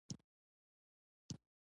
افغانستان د بریښنا ډیر منابع لري.